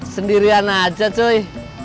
sendirian aja cuy